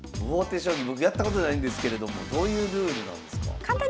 将棋僕やったことないんですけれどもどういうルールなんですか？